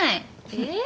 えっ？